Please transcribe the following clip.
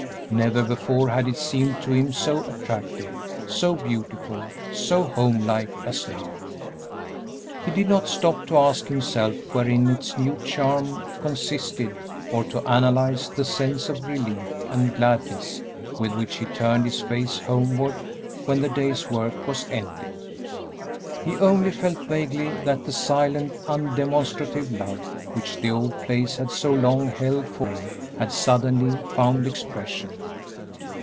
Never before had it seemed to him so attractive, so beautiful, so homelike as now. He did not stop to ask himself wherein its new charm consisted or to analyze the sense of relief and gladness with which he turned his face homeward when the day's work was ended. He only felt vaguely that the silent, undemonstrative love which the old place had so long held for him had suddenly found expression.